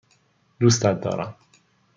دوستت دارم.